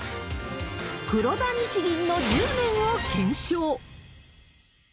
黒田日銀の１０年を検証。